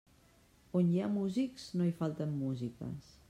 On hi ha músics, no hi falten músiques.